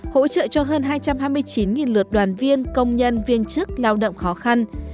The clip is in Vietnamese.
hỗ trợ cho hơn hai trăm hai mươi chín lượt đoàn viên công nhân viên chức lao động khó khăn